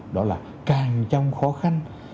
đó là càng trong khó khăn